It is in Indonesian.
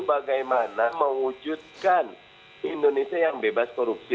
bagaimana mewujudkan indonesia yang bebas korupsi